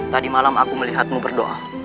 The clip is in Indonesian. tadi malam aku melihatmu berdoa